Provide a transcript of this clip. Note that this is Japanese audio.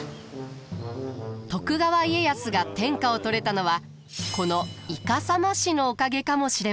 徳川家康が天下を取れたのはこのイカサマ師のおかげかもしれません。